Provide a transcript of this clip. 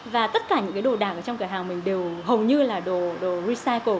và tất cả những cái đồ đạc ở trong cửa hàng mình đều hầu như là đồ recycle